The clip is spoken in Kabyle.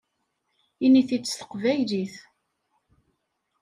Ini-t-id s teqbaylit!